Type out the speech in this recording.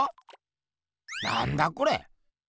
なんだこれ？